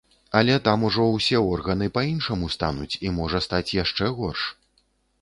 Але там ужо ўсе органы па-іншаму стануць і можа стаць яшчэ горш.